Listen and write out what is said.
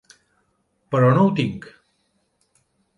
Però no ho tinc.